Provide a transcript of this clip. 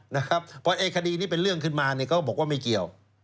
เพราะไอ้คดีนี้เป็นเรื่องขึ้นมาเนี่ยเขาบอกว่าไม่เกี่ยว